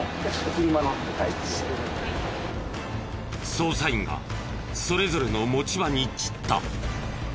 捜査員がそれぞれの持ち場に散った。